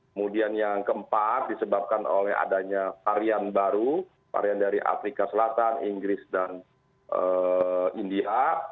kemudian yang keempat disebabkan oleh adanya varian baru varian dari afrika selatan inggris dan india